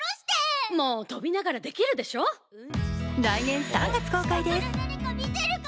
来年３月公開です。